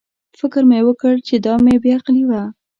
فکر مې وکړ چې دا مې بې عقلي وه.